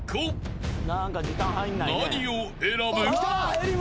［何を選ぶ？］